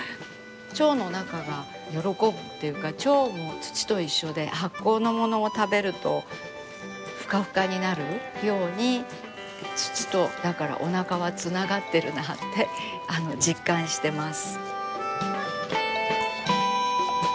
腸の中が喜ぶっていうか腸も土と一緒で発酵のものを食べるとふかふかになるように土とだからおなかはつながってるなあって実感してます。